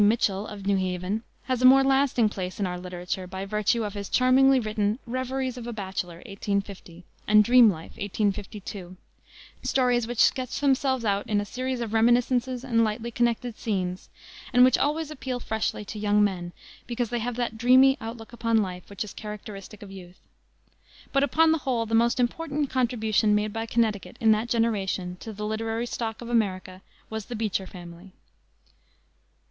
Mitchell, of New Haven, has a more lasting place in our literature, by virtue of his charmingly written Reveries of a Bachelor, 1850, and Dream Life, 1852, stories which sketch themselves out in a series of reminiscences and lightly connected scenes, and which always appeal freshly to young men because they have that dreamy outlook upon life which is characteristic of youth. But, upon the whole, the most important contribution made by Connecticut in that generation to the literary stock of America was the Beecher family.